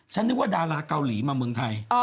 นึกว่าดาราเกาหลีมาเมืองไทย